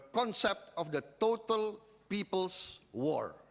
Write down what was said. konsep pertahanan rakyat semesta